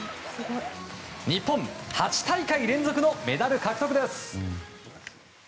日本、８大会連続のメダル獲得です。